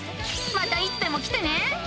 またいつでも来てね。